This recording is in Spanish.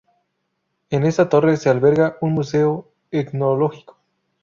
En esta torre se alberga un museo etnológico.